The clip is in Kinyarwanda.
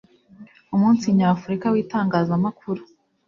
Umunsi Nyafurika w itangazamakuru